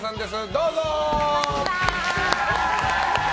どうぞ！